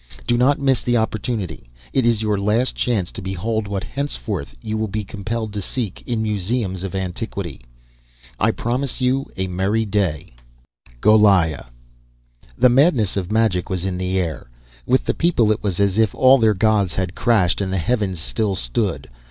Do not miss the opportunity. It is your last chance to behold what henceforth you will be compelled to seek in museums of antiquities. "I promise you a merry day, "GOLIAH." The madness of magic was in the air. With the people it was as if all their gods had crashed and the heavens still stood.